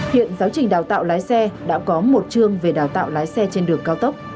hiện giáo trình đào tạo lái xe đã có một chương về đào tạo lái xe trên đường cao tốc